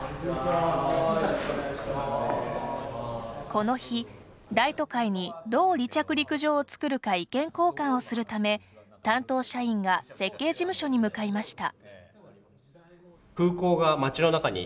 この日、大都会にどう離着陸場を作るか意見交換をするため、担当社員が設計事務所に向いました。